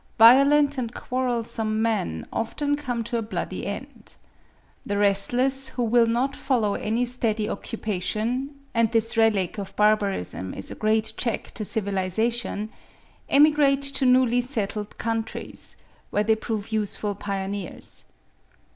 Violent and quarrelsome men often come to a bloody end. The restless who will not follow any steady occupation—and this relic of barbarism is a great check to civilisation (17. 'Hereditary Genius,' 1870, p. 347.)—emigrate to newly settled countries; where they prove useful pioneers.